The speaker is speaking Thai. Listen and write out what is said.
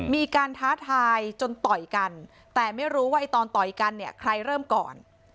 มีการท้าทายจนต่อยกันแต่ไม่รู้ว่าตอนต่อยกันใครเริ่มก่อน